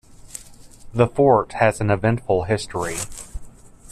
The fort has an eventful history.